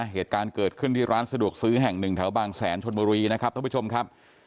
เหตุการณ์เกิดขึ้นที่ร้านสะดวกซื้อแห่ง๑แถวบางแสนชลบรีทุกผู้ชมครับ